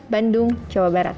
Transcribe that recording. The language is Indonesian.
bandung jawa barat